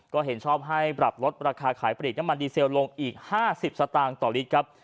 ก็เห็นชอบให้ปรับลดราคาขายปลีกน้ำมันดีเซลลงอีก๕๐สตางค์ต่อลิตรครับ